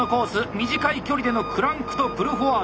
短い距離でのクランクとプルフォワード。